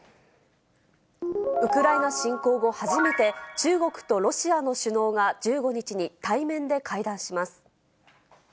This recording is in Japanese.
ウクライナ侵攻後、初めて中国とロシアの首脳が、１５日に対面で会談します。